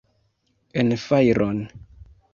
En fajron!